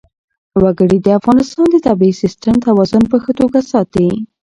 وګړي د افغانستان د طبعي سیسټم توازن په ښه توګه ساتي.